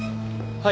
はい。